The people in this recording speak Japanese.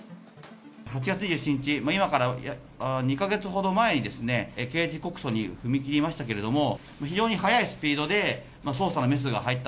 ８月２７日、今から２か月ほど前に刑事告訴に踏み切りましたけれども、非常に速いスピードで捜査のメスが入った。